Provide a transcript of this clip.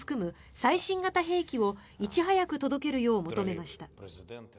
最新型兵器をいち早く届けるよう求めました。